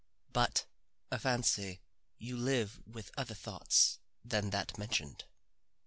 But I fancy you live with other thoughts than that mentioned."